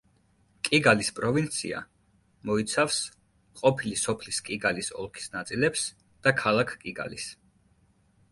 კიგალის პროვინცია მოიცავს ყოფილი სოფლის კიგალის ოლქის ნაწილებს და ქალაქ კიგალის.